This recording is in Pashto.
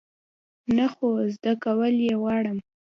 نه، خو زده کول یی غواړم